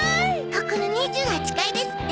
ここの２８階ですって。